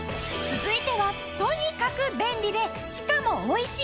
続いてはとにかく便利でしかも美味しい！